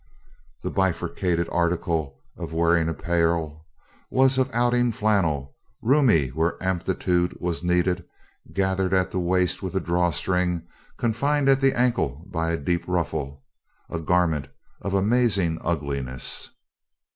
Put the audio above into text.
The bifurcated article of wearing apparel was of outing flannel, roomy where amplitude was most needed, gathered at the waist with a drawstring, confined at the ankle by a deep ruffle a garment of amazing ugliness.